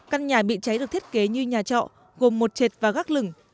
căn nhà bị cháy được thiết kế như nhà trọ gồm một trệt và gác lửng